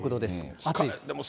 暑いです。